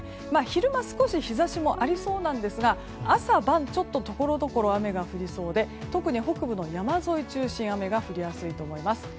昼間、少し日差しもありそうなんですが朝晩、ところどころ雨が降りそうで特に北部の山沿い中心雨が降りやすいと思います。